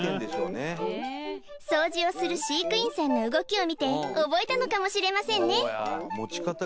掃除をする飼育員さんの動きを見て覚えたのかもしれませんね